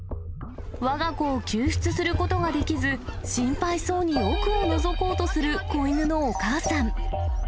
わが子を救出することができず、心配そうに奥をのぞこうとする子犬のお母さん。